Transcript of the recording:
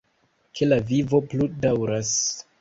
Ke la vivo plu daŭras!